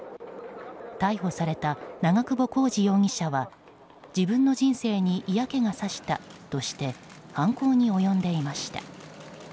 逮捕された長久保浩二容疑者は自分の人生に嫌気がさしたとして犯行に及んでいました。